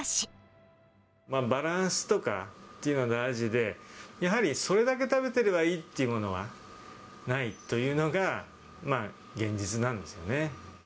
バランスとかっていうのが大事で、やはりそれだけ食べてればいいっていうものはないというのが現実なんですよね。